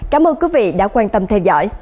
cảm ơn quý vị đã quan tâm theo dõi